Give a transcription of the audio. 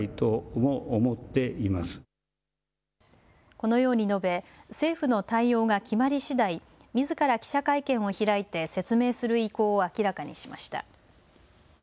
このように述べ、政府の対応が決まりしだい、みずから記者会見を開いて説明する意向を明らかにしました。